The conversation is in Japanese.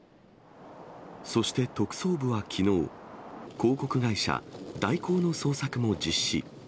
そして特捜部はきのう、広告会社、大広の捜索も実施。